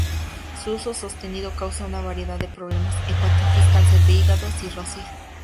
Su uso sostenido causa una variedad de problemas: hepatitis, cáncer de hígado, cirrosis.